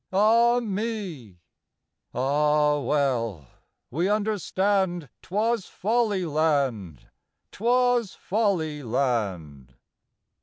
Ah me ! Ah well, — we understand 'T was Folly land, 't was Folly land.